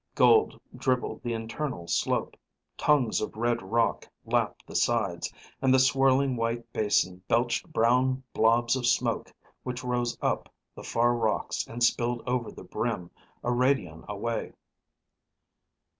Gold dribbled the internal slope. Tongues of red rock lapped the sides, and the swirling white basin belched brown blobs of smoke which rose up the far rocks and spilled over the brim a radion away.